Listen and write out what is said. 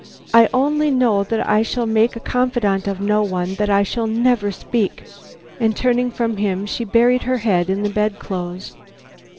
I only know that I shall make a confidant of no one; that I shall never speak." And turning from him, she buried her head in the bedclothes.